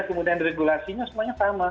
kemudian regulasinya semuanya sama